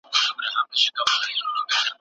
د پرمختګ او وروسته پاته والي خصوصیات شتون لري.